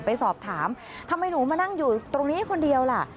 ไปสอบถามทำไมหนูมานั่งอยู่ตรงนี้คนเดียวล่ะ